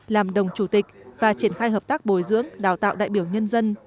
làm đồng chủ tịch và triển khai hợp tác bồi dưỡng đào tạo đại biểu nhân dân